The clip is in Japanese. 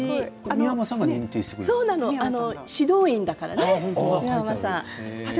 三山さん指導員だから。